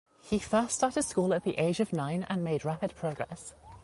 He first started school at the age of nine and made rapid progress.